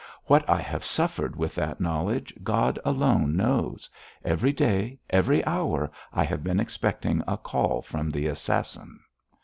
What I have suffered with that knowledge, God alone knows. Every day, every hour, I have been expecting a call from the assassin.'